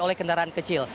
oleh kendaraan kecil